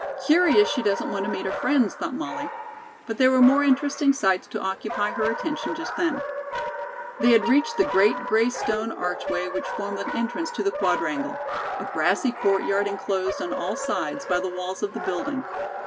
"Curious she doesn't want to meet her friends," thought Molly. But there were more interesting sights to occupy her attention just then. They had reached the great gray stone archway which formed the entrance to the Quadrangle, a grassy courtyard enclosed on all sides by the walls of the building.